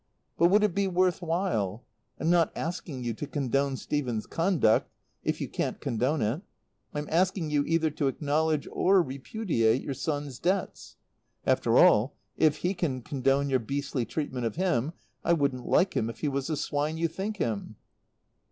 But would it be worth while? I'm not asking you to condone Stephen's conduct if you can't condone it; I'm asking you either to acknowledge or repudiate your son's debts. "After all, if he can condone your beastly treatment of him I wouldn't like him if he was the swine you think him."